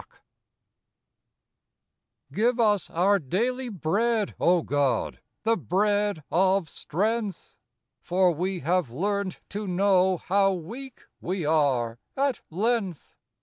C* IVE us our daily Bread, O God, the bread of strength! For we have learnt to know How weak we are at length.